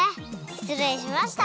しつれいしました！